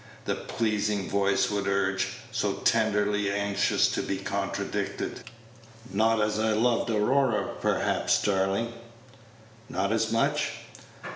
the pleasing voice would urge, so tenderly anxious to be contradicted. "Not as I loved Aurora, perhaps, darling." "Not as much?"